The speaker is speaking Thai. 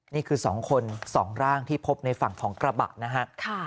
นี่คือ๒คน๒ร่างที่พบในฝั่งของกระบะนะฮะ